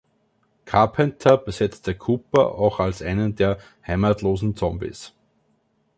Carpenter besetzte Cooper auch als einen der heimatlosen Zombies.